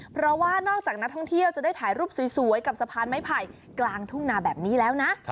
เพราะว่านอกจากนักท่องเที่ยวจะได้ถ่ายรูปสวยกับสะพานไม้ไผ่กลางทุ่งนาแบบนี้แล้วนะ